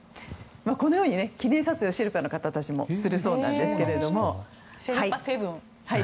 このように記念撮影をシェルパの方たちもするそうです。